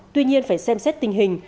tuy nhiên phải xem xét tình hình